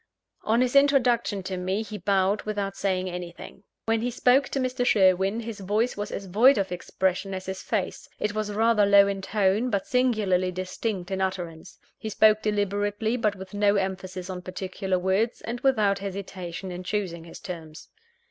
On his introduction to me, he bowed without saying anything. When he spoke to Mr. Sherwin, his voice was as void of expression as his face: it was rather low in tone, but singularly distinct in utterance. He spoke deliberately, but with no emphasis on particular words, and without hesitation in choosing his terms.